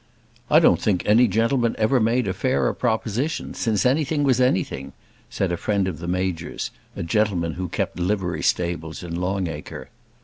"I don't think any gentleman ever made a fairer proposition, since anything was anything," said a friend of the Major's, a gentleman who kept livery stables in Long Acre.